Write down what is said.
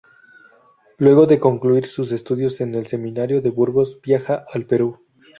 Luego de concluir sus estudios en el Seminario de Burgos, viaja al Perú.